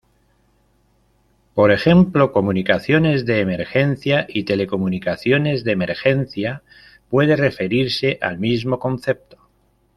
Por ejemplo, comunicaciones de emergencia y telecomunicaciones de emergencia puede referirse al mismo concepto.